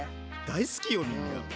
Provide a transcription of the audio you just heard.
大好きよみんな。